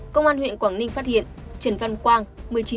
công an huyện quảng ninh phát hiện trần văn quang một mươi chín tuổi